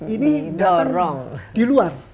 ini datang di luar